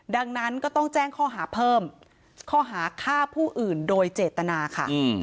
ดังนั้นก็ต้องแจ้งข้อหาเพิ่มข้อหาฆ่าผู้อื่นโดยเจตนาค่ะ